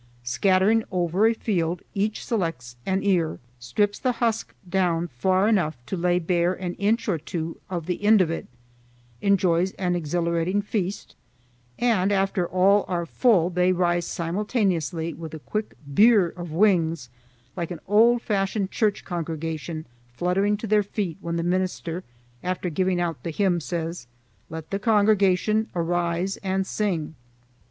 Scattering over a field, each selects an ear, strips the husk down far enough to lay bare an inch or two of the end of it, enjoys an exhilarating feast, and after all are full they rise simultaneously with a quick birr of wings like an old fashioned church congregation fluttering to their feet when the minister after giving out the hymn says, "Let the congregation arise and sing."